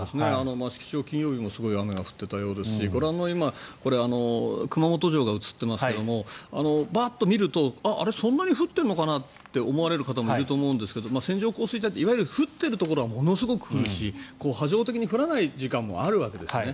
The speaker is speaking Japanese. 益城町、金曜日もすごい雨が降っていたようですしご覧の今熊本城が映っていますがバッと見るとそんなに降っているのかなと思われる方もいると思いますが線状降水帯って降っているところはものすごく降るし波状的に降らない時間もあるわけですね。